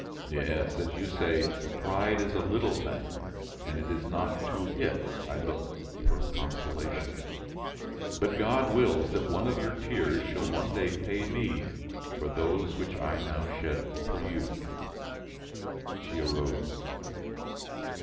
Yes, as you say, pride is a little thing and it is not to it I look for consolation; but God wills that one of your tears shall one day pay me for those which I now shed for you!" She arose.